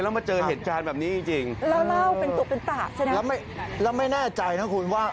แล้วมาเจอเหตุการณ์แบบนี้จริง